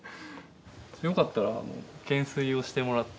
よかったらあの懸垂をしてもらって。